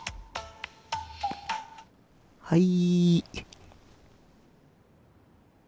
はい。